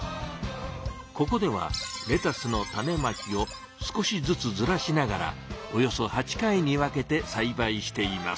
ここではレタスの種まきを少しずつずらしながらおよそ８回に分けてさいばいしています。